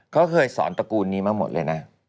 เขาเคยสอนตระกูลนี้มาหมดเลยนะ